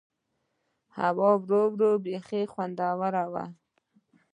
هوا ورو ورو بيخي خوندوره شوه.